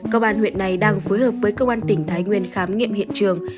công an huyện này đang phối hợp với công an tỉnh thái nguyên khám nghiệm hiện trường